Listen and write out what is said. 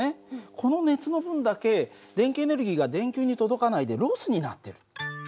この熱の分だけ電気エネルギーが電球に届かないでロスになってる。